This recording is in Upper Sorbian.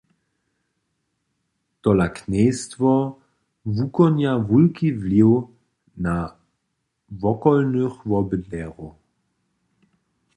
Tole knjejstwo wukonja wulki wliw na wokolnych wobydlerjow.